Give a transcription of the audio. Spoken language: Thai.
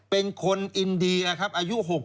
เป็นคนอินเดียครับอายุ๖๐